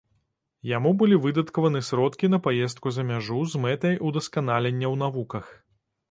Яму былі выдаткаваны сродкі на паездку за мяжу з мэтай удасканалення ў навуках.